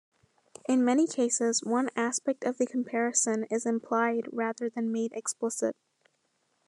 In many cases one aspect of the comparison is implied rather than made explicit.